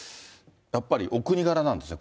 やっぱりお国柄なんですね。